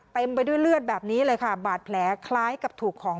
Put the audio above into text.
ไปด้วยเลือดแบบนี้เลยค่ะบาดแผลคล้ายกับถูกของ